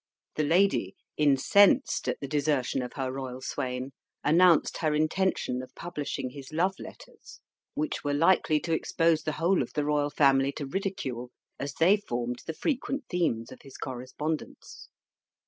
The lady, incensed at the desertion of her royal swain, announced her intention of publishing his love letters, which were likely to expose the whole of the royal family to ridicule, as they formed the frequent themes of his correspondence.